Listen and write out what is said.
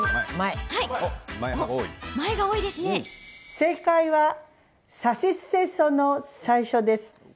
正解はさしすせその最初です。